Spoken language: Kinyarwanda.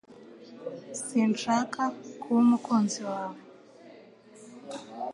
Sinshaka kuba umukunzi wawe